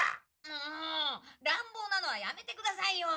もうらんぼうなのはやめてくださいよ！